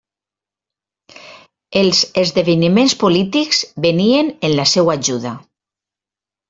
Els esdeveniments polítics venien en la seva ajuda.